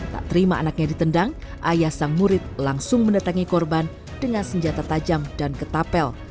tak terima anaknya ditendang ayah sang murid langsung mendatangi korban dengan senjata tajam dan ketapel